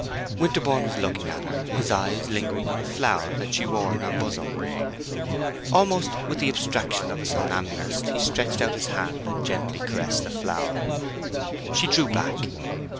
Winterborne was looking at her, his eyes lingering on a flower that she wore in her bosom. Almost with the abstraction of a somnambulist he stretched out his hand and gently caressed the flower. She drew back.